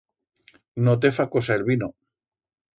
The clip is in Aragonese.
No te fa cosa el vino.